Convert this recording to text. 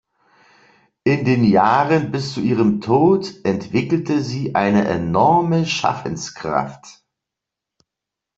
In den Jahren bis zu ihrem Tod entwickelte sie eine enorme Schaffenskraft.